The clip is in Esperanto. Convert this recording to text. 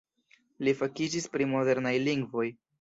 Li fakiĝis pri modernaj lingvoj.